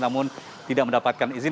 namun tidak mendapatkan izin